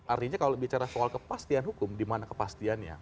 artinya kalau bicara soal kepastian hukum di mana kepastiannya